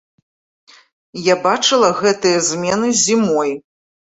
Я бачыла гэтыя змены зімой.